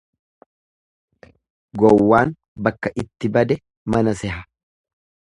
Gowwaan bakka itti bade mana seha.